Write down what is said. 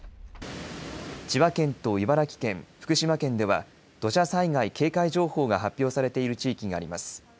千葉県と茨城県、福島県では土砂災害警戒情報が発表されている地域があります。